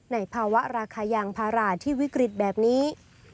ในภาวะราคายางพาราที่วิกฤตแบบนี้